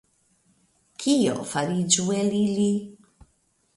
Kio fariĝu el ili?